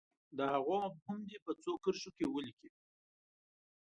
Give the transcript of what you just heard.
د هغو مفهوم دې په څو کرښو کې ولیکي.